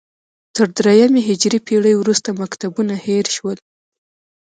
تر درېیمې هجري پېړۍ وروسته مکتبونه هېر شول